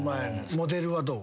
モデルはどう？